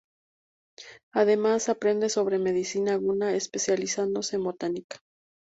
Además, aprende sobre medicina guna, especializándose en botánica.